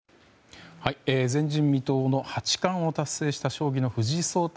前人未到の八冠を達成した将棋の藤井聡太